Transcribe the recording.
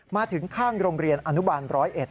มาถึงข้างโรงเรียนอนุบาล๑๐๑